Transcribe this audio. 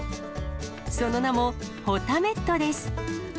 その名も、ホタメットです。